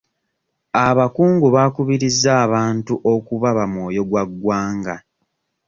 Abakungu baakubirizza abantu okuba bamwoyogwaggwanga.